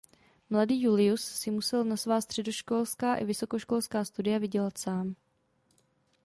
Mladý Julius si musel na svá středoškolská i vysokoškolská studia vydělávat sám..